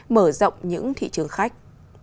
mở rộng những thị trường khách